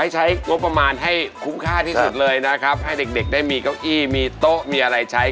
เฮ้ยเดี๋ยวเดี๋ยวเดี๋ยวเดี๋ยว